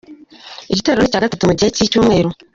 Igitero ni icya gatatu mu gihe cy'icyumweru.